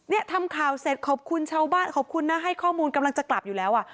เนี่ยทำข่าวเสร็จขอบคุณชาวบ้านขอบคุณนะให้ข้อมูลกำลังจะกลับอยู่แล้วอ่ะ